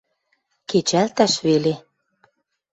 Кечӓлтӓш веле.